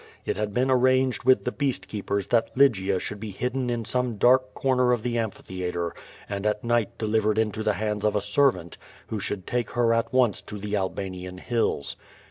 It had been arranged with the beast keepers that Lygia should be hidden in some dark corner of the amphitheatre and at night deliv ered into the hands of a servant, who should take her at once to the Albanian hills.